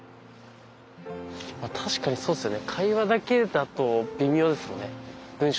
確かにそうですよね。